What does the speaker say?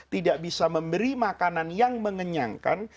tidak bisa memberi makanan yang mengenyangkan